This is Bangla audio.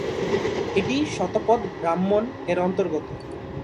এটি "শতপথ ব্রাহ্মণ"-এর অন্তর্গত।